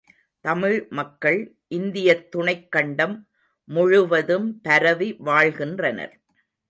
தமிழ் மக்கள் இந்தியத் துணைக் கண்டம் முழுவதும் பரவி வாழ்கின்றனர்.